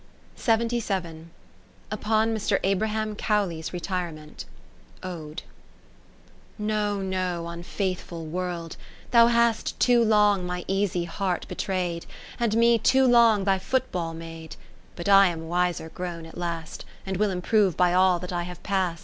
Upon Mr. Abraham Cowley's Retirement ODE I No, no, unfaithful World, thou hast Too long my easy heart betray'd, And me too long thy foot ball made : But I am wiser grown at last, And will improve by all that I have past.